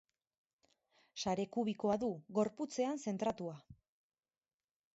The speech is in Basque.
Sare kubikoa du, gorputzean zentratua.